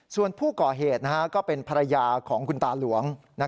ส่วนผู้ก่อเหตุก็เป็นภรรยาของคุณตาหลวง